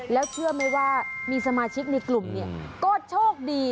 แล้วเชื่อไหมว่ามีสมาชิกในกลุ่มเนี่ยก็โชคดี